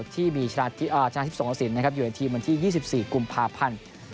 ที่มีชาติ๑๒สินนะครับอยู่ในทีมวันที่๒๔กุมภาพันธ์